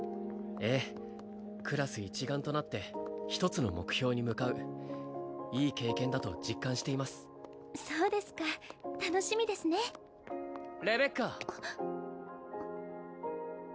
ええクラス一丸となって一つの目標に向かういい経験だと実感していますそうですか楽しみですねレベッカ